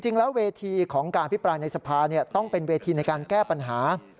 จริงแล้วเวทีของการพิปรายในสภาต้องเป็นเวทีในการแก้ปัญหา